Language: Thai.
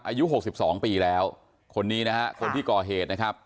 อายุ๖๒ปีแล้วคนนี้นะฮะคนที่ก่อเหตุนะครับ